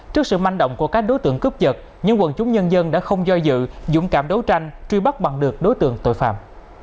trước sự manh động của các đối tượng cướp giật những quần chúng nhân dân đã không do dự dũng cảm đấu tranh truy bắt bằng được đối tượng tội phạm